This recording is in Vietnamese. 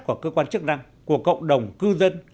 của cơ quan chức năng của cộng đồng cư dân